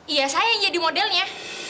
iya saya yang jadi modelnya